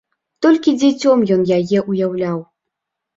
Толькі дзіцём ён яе ўяўляў.